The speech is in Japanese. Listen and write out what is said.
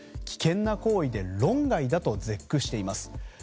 危険な行為で論外だと絶句しています。